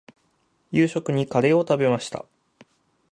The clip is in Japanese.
夕食にカレーを食べました。